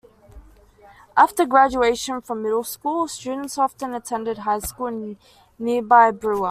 After graduation from middle school, students often attend high school in nearby Brewer.